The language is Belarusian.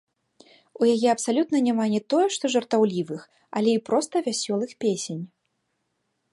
У яе абсалютна няма не тое што жартаўлівых, але і проста вясёлых песень.